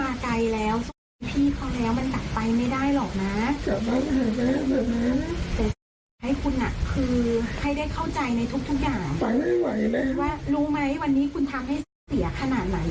คือให้ได้เข้าใจในทุกอย่างว่ารู้ไหมวันนี้คุณทำให้เสียขนาดไหน